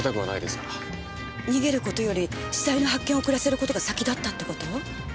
逃げる事より死体の発見を遅らせる事が先だったって事？